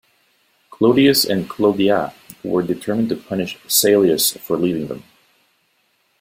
Clodius and Clodia were determined to punish Caelius for leaving them.